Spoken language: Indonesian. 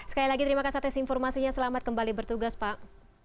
sekali lagi terima kasih atas informasinya selamat kembali bertugas pak